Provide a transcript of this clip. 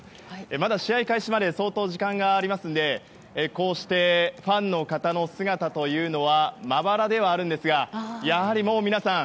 まだ試合開始まで相当時間がありますのでこうしてファンの方の姿というのはまばらではあるんですがやはり、もう皆さん